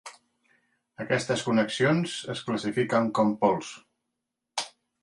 Aquestes connexions es classifiquen com pols.